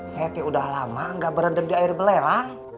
saya teh udah lama gak berenem di air belerang